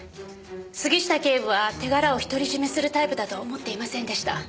杉下警部は手柄を独り占めするタイプだとは思っていませんでした。